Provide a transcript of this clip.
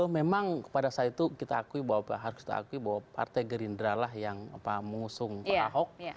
memang pada saat itu kita akui bahwa harus kita akui bahwa partai gerindra lah yang mengusung pak ahok